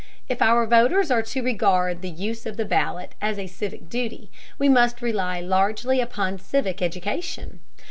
If our voters are to regard the use of the ballot as a civic duty, we must rely largely upon civic education.